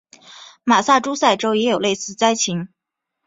马萨诸塞州也有类似灾情。